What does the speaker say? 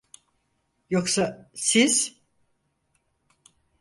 Yoksa siz…